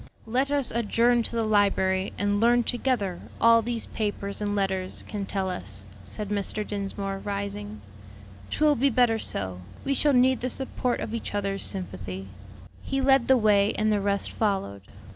"Let us adjourn to the library and learn together all these papers and letters can tell us," said Mr. Dinsmore, rising. "'Twill be better so; we shall need the support of each other's sympathy." He led the way and the rest followed.